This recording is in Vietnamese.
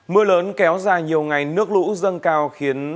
mưa lớn kéo dài nhiều ngày nước lũ dâng cao khiến